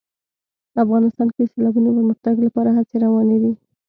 افغانستان کې د سیلابونو د پرمختګ لپاره هڅې روانې دي.